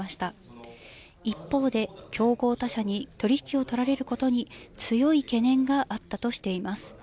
一方で、競合他社に取り引きをとられることに強い懸念があったとしています。